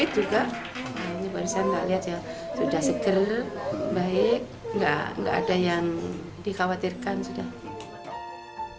ini barusan nggak lihat ya sudah seger baik nggak ada yang dikhawatirkan sudah